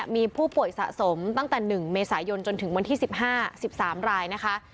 มีผู้ป่วยสะสมตั้งแต่๑เมษายนจนถึงวันที่๑๕๑๓รายนะคะ